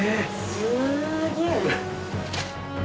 すげえ！